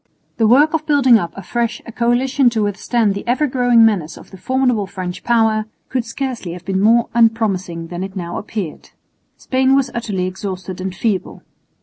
The work of building up afresh a coalition to withstand the ever growing menace of the formidable French power could scarcely have been more unpromising than it now appeared. Spain was utterly exhausted and feeble.